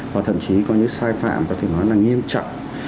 và thậm chí có những sai phạm có thể nói là nghiêm trọng